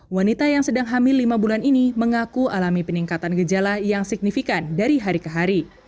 wanita yang sedang hamil lima bulan ini mengaku alami peningkatan gejala yang signifikan dari hari ke hari